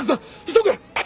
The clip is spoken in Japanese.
急げ！